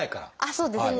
そうですね。